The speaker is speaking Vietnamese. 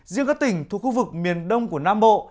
riêng các tỉnh thuộc khu vực miền đông của nam bộ